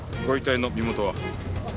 ご遺体の身元は？